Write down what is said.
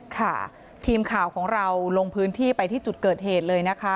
ค่ะทีมข่าวของเราลงพื้นที่ไปที่จุดเกิดเหตุเลยนะคะ